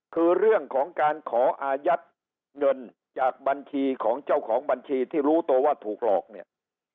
คือเรื่องของการขออายัดเงินจากบัญชีของเจ้าของบัญชีที่รู้ตัวว่าถูกหลอกเนี่ย